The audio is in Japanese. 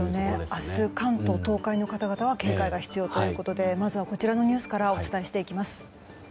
明日、関東・東海の方々は警戒が必要ということでまずはこちらのニュースからお伝えしていきます。